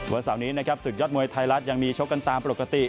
เสาร์นี้นะครับศึกยอดมวยไทยรัฐยังมีชกกันตามปกติ